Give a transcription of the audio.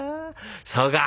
「そうか」。